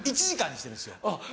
１時間にしてるんですよ。